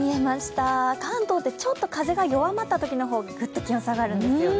関東ってちょっと風が弱まったときほどぐっと気温が下がるんですよね。